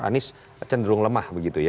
anis cenderung lemah